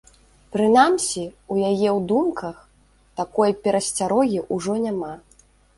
Прынамсі, у яе ў думках такой перасцярогі ўжо няма.